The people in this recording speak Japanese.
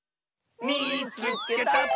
「みいつけた！」。